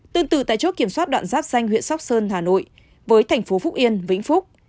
tương tự tại chốt kiểm soát đoạn giáp danh huyện sóc sơn hà nội với thành phố phúc yên vĩnh phúc